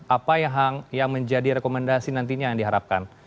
apa yang menjadi rekomendasi nantinya yang diharapkan